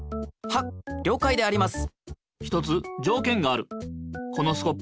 はっりょうかいであります。